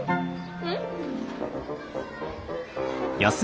うん？